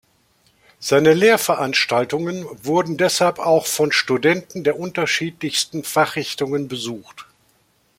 Seine Lehrveranstaltungen wurden deshalb auch von Studenten der unterschiedlichsten Fachrichtungen besucht.